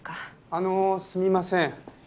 あのすみません。